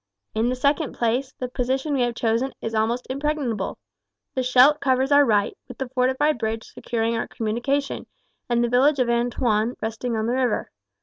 In the second place, the position we have chosen is almost impregnable. The Scheldt covers our right, with the fortified bridge securing our communication, and the village of Antoin resting on the river.